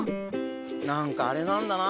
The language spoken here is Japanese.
なんかあれなんだな。